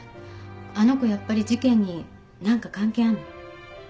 あの子やっぱり事件に何か関係あんの？